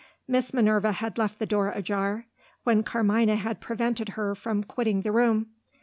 Miss Minerva had left the door ajar, when Carmina had prevented her from quitting the room.